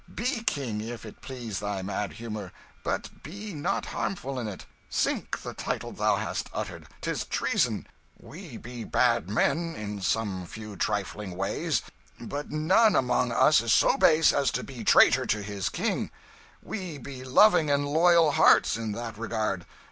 Be king, if it please thy mad humour, but be not harmful in it. Sink the title thou hast uttered 'tis treason; we be bad men in some few trifling ways, but none among us is so base as to be traitor to his King; we be loving and loyal hearts, in that regard.